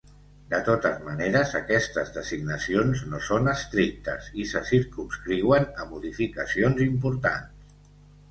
De tota manera aquestes designacions no són estrictes i se circumscriuen a modificacions importants.